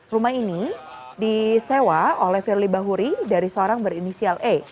rumah ini disewa oleh firly bahuri dari seorang berinisial e